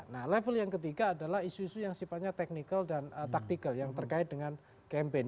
nah level yang ketiga adalah isu isu yang sifatnya technical dan taktikal yang terkait dengan campaign